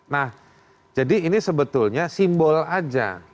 nah jadi ini sebetulnya simbol aja